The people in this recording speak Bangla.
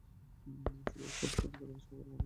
শুধু এক পার্ট পড়েই তাকে নিষ্পাপ মনে করো না।